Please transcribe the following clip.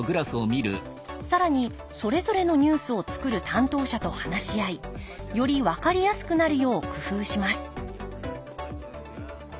更にそれぞれのニュースを作る担当者と話し合いより分かりやすくなるよう工夫します